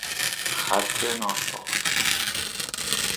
خط ناصاف